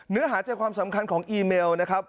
เนื้อหาใจความสำคัญของอีเมลนะครับ